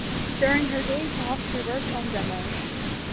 During her days off she worked on demos.